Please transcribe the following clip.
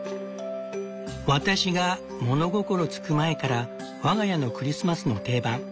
「私が物心つく前から我が家のクリスマスの定番。